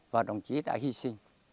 và đồng chí đã hy sinh